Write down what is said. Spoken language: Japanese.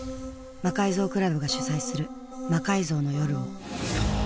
魔改造倶楽部が主催する「魔改造の夜」を。